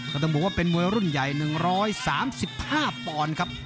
ต้องบอกว่าเป็นมวยรุ่นใหญ่๑๓๕ปอนด์ครับ